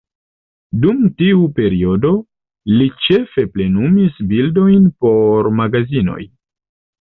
Dum tiu periodo, li ĉefe plenumis bildojn por magazinoj.